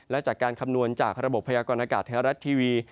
และจากการคำนวณจากระบบพยากรณากาศไทยรัฐทีวี